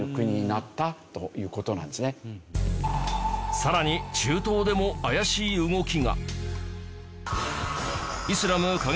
さらに中東でも怪しい動きが